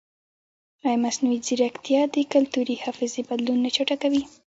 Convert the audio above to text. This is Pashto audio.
ایا مصنوعي ځیرکتیا د کلتوري حافظې بدلون نه چټکوي؟